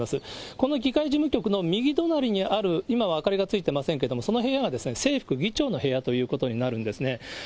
この議会事務局の右隣にある、今は明かりがついてませんけれども、その部屋が正副議長の部屋ということになるんですね。